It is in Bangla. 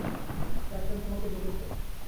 ক্যাপ্টেন তোমাকে ডেকেছেন।